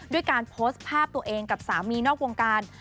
ด้วยการโพสต์ภาพตัวเองกับสามีนอกวงการ